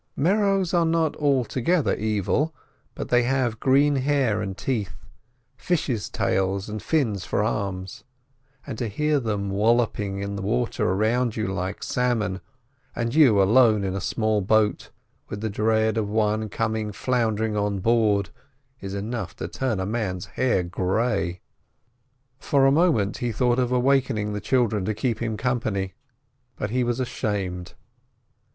Merrows are not altogether evil, but they have green hair and teeth, fishes' tails and fins for arms; and to hear them walloping in the water around you like salmon, and you alone in a small boat, with the dread of one coming floundering on board, is enough to turn a man's hair grey. For a moment he thought of awakening the children to keep him company, but he was ashamed.